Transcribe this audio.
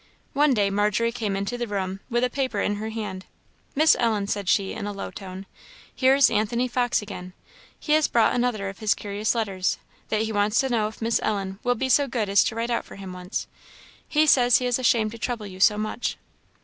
One day Margery came into the room with a paper in her hand. "Miss Ellen," said she in a low tone "here is Anthony Fox again he has brought another of his curious letters, that he wants to know if Miss Ellen will be so good as to write out for him once more. He says he is ashamed to trouble you so much."